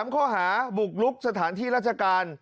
ข้อหาบุกลุกสถานที่ราชการ